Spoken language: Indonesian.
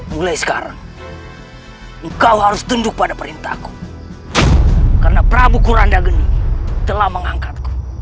mulai sekarang engkau harus tunduk pada perintahku karena prabu kuranda geni telah mengangkatku